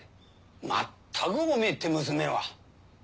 まったぐおめって娘は。